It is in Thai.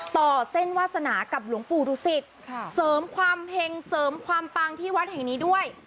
ต่อเส้นวาสนากับหลวงปู่ดุสิตเสริมความเห็งเสริมความปังที่วัดแห่งนี้ด้วย